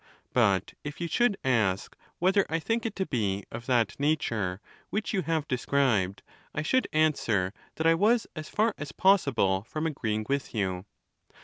But if you should ask whether I think it to be of that nature Which you have described, I should answer that I was as fir as possible from agreeing with you.